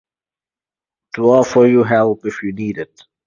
To offer you help if you need it.